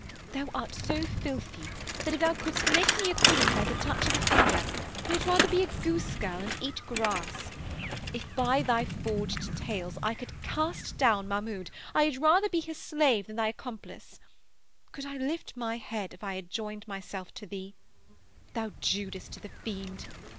Thou art so filthy that if thou couldst make me a queen by the touch of a finger, I had rather be a goose girl and eat grass. If by thy forged tales I could cast down Mahound, I had rather be his slave than thy accomplice! Could I lift my head if I had joined myself to thee? thou Judas to the Fiend.